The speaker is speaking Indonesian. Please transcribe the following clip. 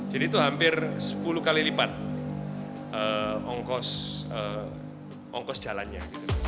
jadi itu hampir sepuluh kali lipat ongkos jalannya